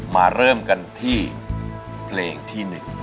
มาเริ่มกันที่เพลงที่๑